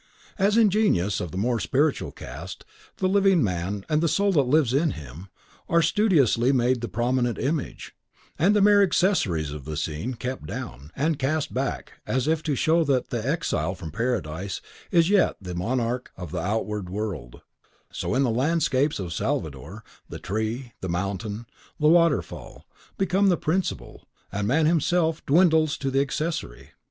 As in genius of the more spiritual cast, the living man, and the soul that lives in him, are studiously made the prominent image; and the mere accessories of scene kept down, and cast back, as if to show that the exile from paradise is yet the monarch of the outward world, so, in the landscapes of Salvator, the tree, the mountain, the waterfall, become the principal, and man himself dwindles to the accessory.